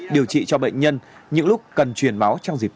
điều trị cho bệnh nhân những lúc cần truyền máu trong dịp tết